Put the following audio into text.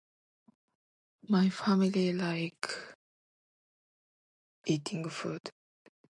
My family like... eating food.